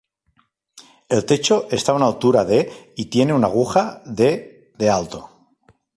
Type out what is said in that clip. El techo esta a una altura de y tiene una aguja de de alto.